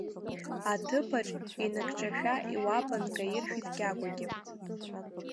Аҭыԥаҿ иныкҿакшәа иуапа нкаиршәит Кьагәагьы.